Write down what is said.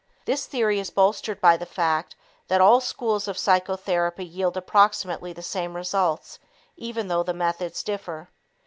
This theory is bolstered by the fact that all schools of psychotherapy yield approximately the same results even though the methods differ.